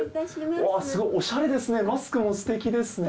すごいおしゃれですね。